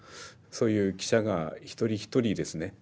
そういう記者が一人一人ですね